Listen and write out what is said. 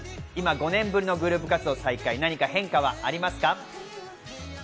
５年ぶりのグループ活動再開、何か変化はありますか？